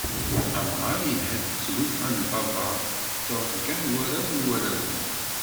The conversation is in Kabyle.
Amɣar, yelha-d s tlufa n berra d trebga n warraw n warraw-is.